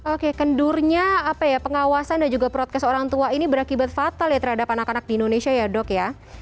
oke kendurnya apa ya pengawasan dan juga protes orang tua ini berakibat fatal ya terhadap anak anak di indonesia ya dok ya